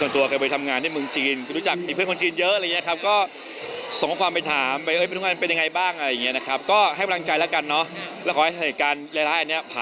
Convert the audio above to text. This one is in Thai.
ตอนนี้ก็ต้องบอกว่าเจี้ยอยู่อูฮันนะค่ะ